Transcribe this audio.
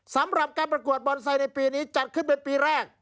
สำหรับการประกวดบอนไซต์ในปีนี้จัดขึ้นเป็นปีแรก